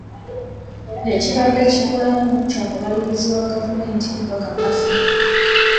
Ekibadde kibulamu kya mubalirizi wa gavumenti kubakakasa.